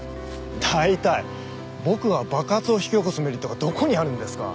大体僕が爆発を引き起こすメリットがどこにあるんですか？